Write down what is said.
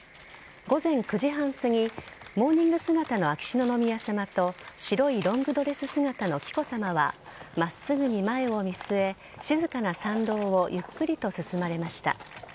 午前９時半すぎモーニング姿の秋篠宮さまと白いロングドレス姿の紀子さまは真っすぐに前を見据え静かな参道をゆっくりと進まれました。